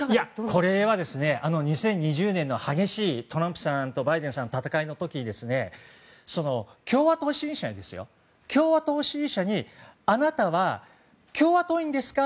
これは２０２０年の激しいトランプさんとバイデンさんの戦いの時に、共和党支持者にあなたは共和党員ですか？